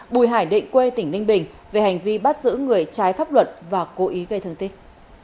bùi hải định quê tỉnh ninh bình về hành vi bắt giữ người trái pháp luật và cố ý gây thương tích